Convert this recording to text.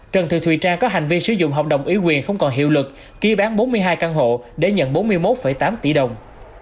trần thị thùy trang có hành vi sử dụng hợp đồng ý quyền không còn hiệu lực ký bán bốn mươi hai căn hộ để nhận bốn mươi một tám tỷ đồng